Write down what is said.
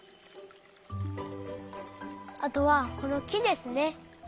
あとはこのきですね。